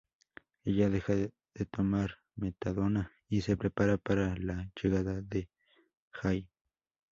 Ella deja de tomar metadona y se prepara para la llegada de Jay.